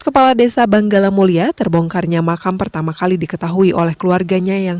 kepala desa banggala mulia terbongkarnya makam pertama kali diketahui oleh keluarganya yang